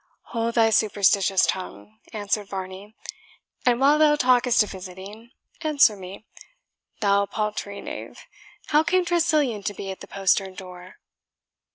"Hold thy superstitious tongue," answered Varney; "and while thou talkest of visiting, answer me, thou paltering knave, how came Tressilian to be at the postern door?"